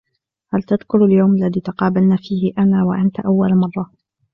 هل تذكر اليوم الذي تقابلنا فيه أنا وأنت أول مرة ؟